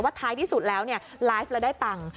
ท้ายที่สุดแล้วไลฟ์แล้วได้ตังค์